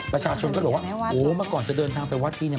ประชาชนก็เลยบอกว่าโหเมื่อก่อนจะเดินทางไปวัดที่เนี่ย